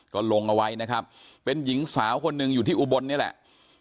ก็ลงเอาไว้นะครับเป็นหญิงสาวคนหนึ่งอยู่ที่อุบลนี่แหละ